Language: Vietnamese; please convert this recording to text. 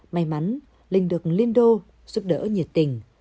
may mắn linh được liên đô giúp đỡ nhiệt tình